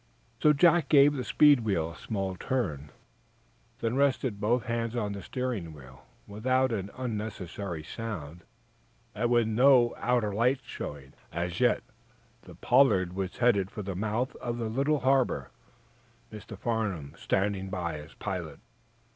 So Jack gave the speed wheel a small turn, then rested both hands on the steering wheel. Without an unnecessary sound, and with no outer lights showing, as yet, the "Pollard" was headed for the mouth of the little harbor, Mr. Farnum standing by as pilot.